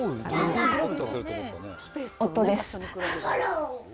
夫です。